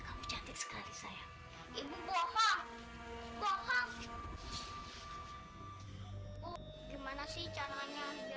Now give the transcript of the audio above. sampai jumpa di video selanjutnya